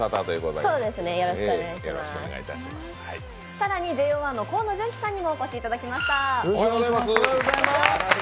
更にＪＯ１の河野純喜さんにもお越しいただきました。